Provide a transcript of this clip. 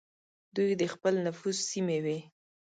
دوی د خپل نفوذ سیمې وې.